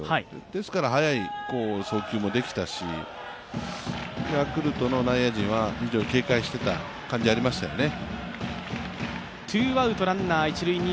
ですから速い送球もできたし、ヤクルトの内野陣は非常に警戒してた感じありましたよね。